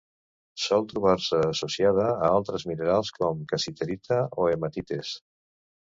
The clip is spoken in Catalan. Sol trobar-se associada a altres minerals com cassiterita o hematites.